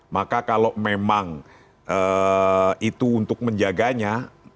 maka kalau memang itu untuk menjaganya